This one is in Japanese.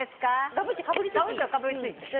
がぶってかぶりついていい？